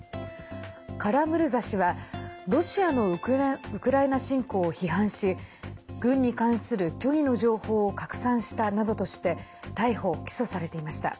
カラムルザ氏はロシアのウクライナ侵攻を批判し軍に関する虚偽の情報を拡散したなどとして逮捕・起訴されていました。